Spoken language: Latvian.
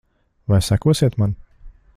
Vai sekosiet man?